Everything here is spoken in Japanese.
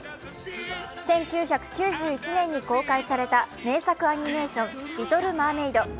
１９９１年に公開された名作アニメーション「リトル・マーメイド」。